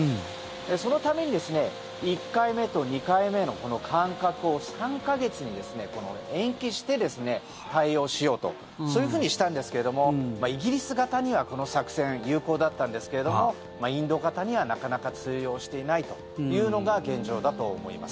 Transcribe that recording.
そのために１回目と２回目の間隔を３か月に延期して対応しようとそういうふうにしたんですけどもイギリス型にはこの作戦有効だったんですけれどもインド型にはなかなか通用していないというのが現状だと思います。